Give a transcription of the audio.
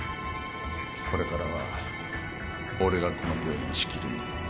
これからは俺がこの病院を仕切るんだ。